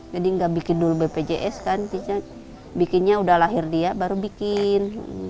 jadi nggak bikin dulu bpjs kan bisa bikinnya udah lahir dia baru bikin